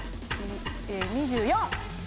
２４！